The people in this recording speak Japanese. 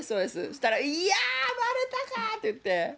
したら、いやぁー、ばれたかって言って。